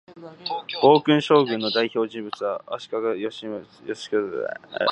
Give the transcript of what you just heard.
暴君将軍の代表人物は、足利義教だ